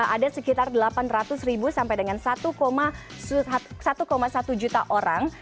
ada sekitar delapan ratus ribu sampai dengan satu satu juta orang